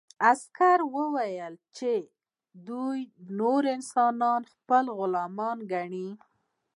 عسکر وویل چې دوی نور انسانان خپل غلامان ګڼي